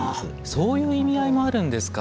そういう意味合いもあるんですか。